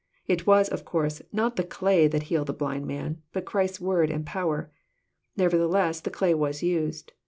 It was, of course, not the clay that healed the blind man, but Christ's word and power. Neverthe less the clay was used.